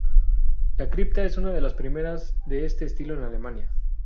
La cripta es una de las primeras de este estilo en Alemania.